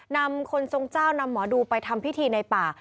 นำคนทรงเจ้านำหมอดูไปทำพิธีในป่า